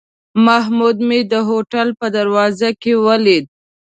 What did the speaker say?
محمود مې د هوټل په دروازه کې ولید.